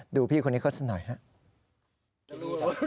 พี่คนนี้เขาสักหน่อยครับ